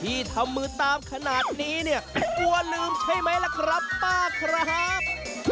ที่ทำมือตามขนาดนี้เนี่ยกลัวลืมใช่ไหมล่ะครับป้าครับ